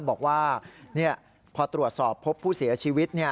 บอกว่าพอตรวจสอบพบผู้เสียชีวิต